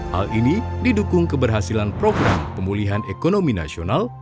hal ini didukung keberhasilan program pemulihan ekonomi nasional